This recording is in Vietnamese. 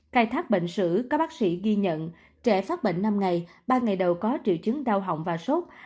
khai thác bệnh sử có bác sĩ ghi nhận trẻ phát bệnh năm ngày ba ngày đầu có triệu chứng đau họng và sốt